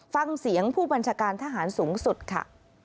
ฟังเสียงผู้บัญชาการทหารสูงสุดค่ะ